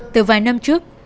từ vài năm trước